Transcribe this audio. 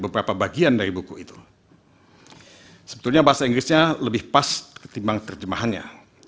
beberapa bagian dari buku itu sebetulnya bahasa inggrisnya lebih pas ketimbang terjemahannya